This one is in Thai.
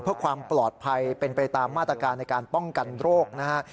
เพื่อความปลอดภัยเป็นไปตามมาตรการในการป้องกันโรคนะฮะ